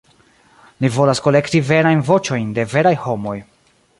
Ni volas kolekti verajn voĉojn de veraj homoj.